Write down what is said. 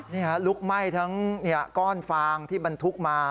นี่ฮะลุกไหม้ทั้งก้อนฟางที่บรรทุกมา